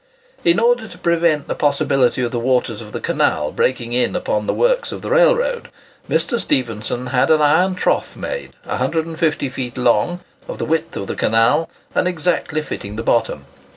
In order to prevent the possibility of the waters of the canal breaking in upon the works of the railroad, Mr. Stephenson had an iron trough made, 150 feet long, of the width of the canal, and exactly fitting the bottom.